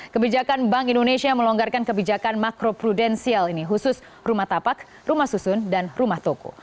kebijakan bank indonesia melonggarkan kebijakan makro prudensial ini khusus rumah tapak rumah susun dan rumah toko